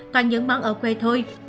toàn những món ở quê thôi